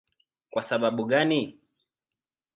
Kwa sababu gani?